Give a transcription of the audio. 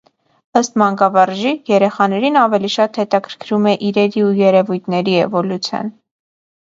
Ըստ մանկավարժի՝ երեխաներին ավելի շատ հետաքրքում է իրերի ու երևույթների էվոլյուցիան։